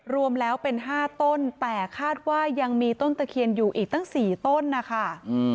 รวมแล้วเป็น๕ต้นแต่คาดว่ายังมีต้นตะเคียนอยู่อีกตั้ง๔ต้นนะคะ